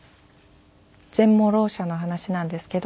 全盲ろう者の話なんですけど。